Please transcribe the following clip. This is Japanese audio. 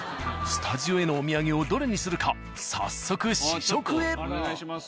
スタジオへのお土産をどれにするか早速試食へ。